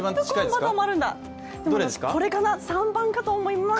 これかな、３番かと思います。